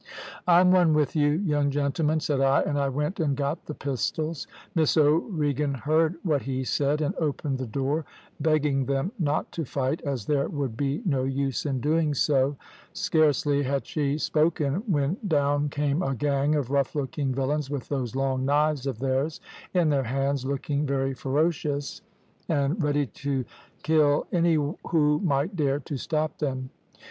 "`I'm one with you, young gentlemen,' said I, and I went and got the pistols. Miss O'Regan heard what he said and opened the door, begging them not to fight, as there would be no use in doing so. Scarcely had she spoken when down came a gang of rough looking villains with those long knives of theirs in their hands looking very ferocious, and ready to kill any who might dare to stop them.